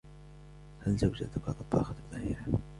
هل زوجتك طباخة ماهرة ؟